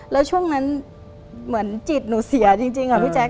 แล้วช่วงนั้นเหมือนจิตหนูเสียจริงค่ะพี่แจ๊